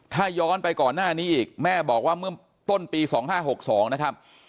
ถ้าย้อนไปก่อนหน้านี้อีกแม่บอกว่าเมื่อต้นปี๒๕๖๒นะครับ